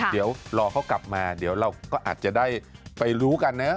เดี๋ยวรอเขากลับมาเดี๋ยวเราก็อาจจะได้ไปรู้กันนะ